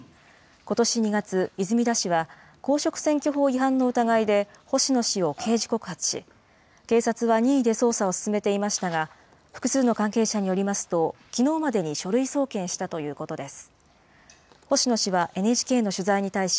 ことし２月、泉田氏は、公職選挙法違反の疑いで星野氏を刑事告発し、警察は任意で捜査を進めていましたが、複数の関係者によりますと、きのうまでに書類送検したということです。